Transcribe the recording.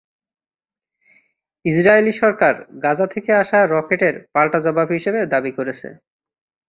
Israeli সরকার Gaza থেকে আসা রকেটের পাল্টা জবাব হিসেবে দাবি করেছে।